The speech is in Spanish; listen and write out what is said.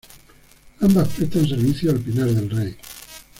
Ambas prestan servicio al Pinar del Rey.